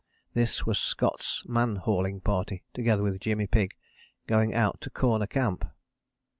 [This was Scott's man hauling party together with Jimmy Pigg, going out to Corner Camp.